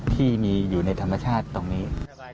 ที่มีอยู่ในธรรมชาติตรงนี้